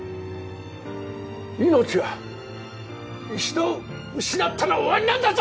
命は一度失ったら終わりなんだぞ！